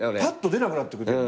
ぱっと出なくなって。